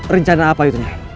rencana apa itu nyai